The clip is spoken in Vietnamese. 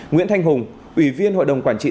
nguyễn thanh hùng ủy viên hội đồng quản trị